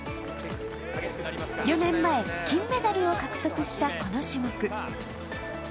４年前、金メダルを獲得したこの種目。